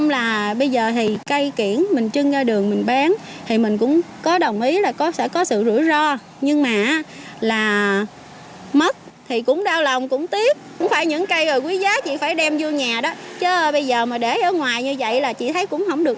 lợi dụng đường vắng